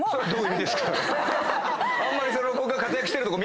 それどういう意味ですか？